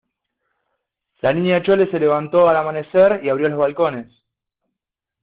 la Niña Chole se levantó al amanecer y abrió los balcones.